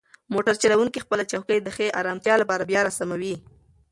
موټر چلونکی خپله چوکۍ د ښې ارامتیا لپاره بیا راسموي.